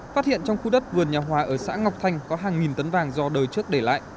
phát hiện trong khu đất vườn nhà hòa ở xã ngọc thanh có hàng nghìn tấn vàng do đời trước để lại